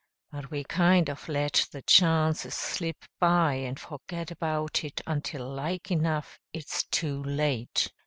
But we kind of let the chances slip by and forget about it until like enough it's too late."